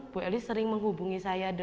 bu eli sering menghubungi saya